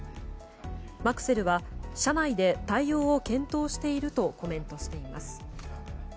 マクセルは社内で対応を検討しているとコメントしています。